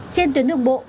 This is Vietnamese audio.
trên tuyến đường bộ